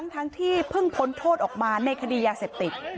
ทั้งที่เพิ่งพ้นโทษออกมาในคดียาเสพติด